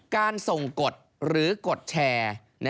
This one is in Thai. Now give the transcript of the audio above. การส่งกดหรือกดแชร์